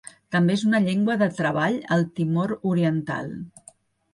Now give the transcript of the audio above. També és una llengua de treball al Timor oriental.